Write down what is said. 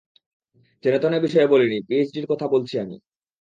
যেনতেন বিষয়ে বলিনি, পিএইচডির কথা বলছি আমি!